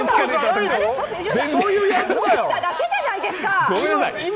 飲んだだけじゃないですか！